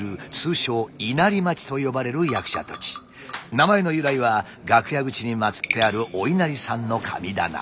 名前の由来は楽屋口に祭ってあるお稲荷さんの神棚。